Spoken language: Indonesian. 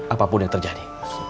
apapun yang terjadi